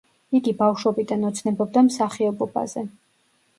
იგი ბავშვობიდან ოცნებობდა მსახიობობაზე.